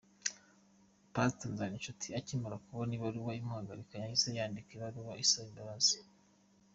Pastor Zigirinshuti akimara kubona ibaruwa imuhagarika, yahise yandika ibaruwa asaba imbabazi.